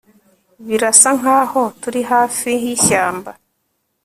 Birasa nkaho turi hafi yishyamba